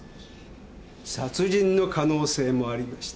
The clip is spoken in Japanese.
殺人の可能性もありまして。